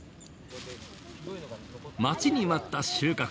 待ちに待った収穫。